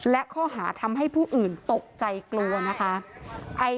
และข้อหาทำให้ผู้อื่นตกใจกลัวนะคะ